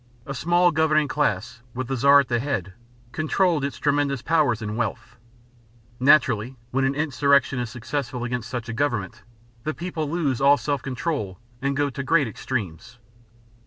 A small governing class, with the Czar at the head, controlled its tremendous powers and wealth. Naturally, when an insurrection is successful against such a government, the people lose all self control and go to great extremes.